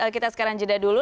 kita sekarang jeda dulu